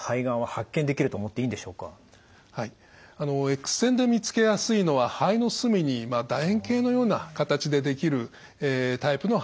エックス線で見つけやすいのは肺の隅にだ円形のような形でできるタイプの肺がんです。